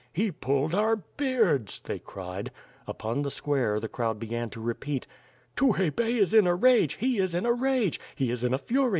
"He pulled our beards," they cried. Upon the square, the crowd began to repeat: J .^ WITH FIRE AND SWORD. "Tukhay Bey is in a rage, he is in a rage. He is in a fury!